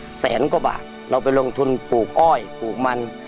แสนกว่าบาทเราไปลงทุนปลูกอ้อยปลูกมัน